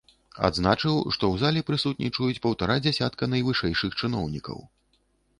Адзначыў, што ў зале прысутнічаюць паўтара дзясятка найвышэйшых чыноўнікаў.